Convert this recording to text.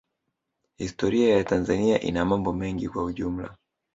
Historia ya Tanzania ina mambo mengi kwa ujumla